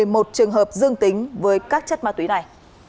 một trường hợp dương tính với các chất ma túy này